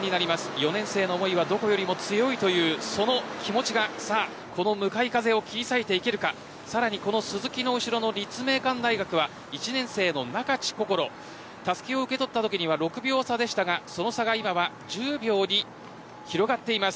４年生の思いはどこへでも強いというその気持ちがこの向かい風を切り裂いていけるかさらに鈴木の後ろの立命館大学は１年生の中地たすきを受け取ったときには６秒差でしたがその差が今は１０秒に広がっています。